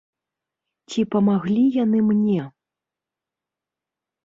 Ці памаглі яны мне?